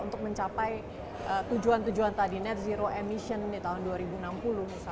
untuk mencapai tujuan tujuan tadi net zero emission di tahun dua ribu enam puluh misalnya